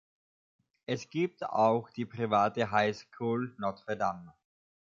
Es gibt auch die private Highschool Notre-Dame.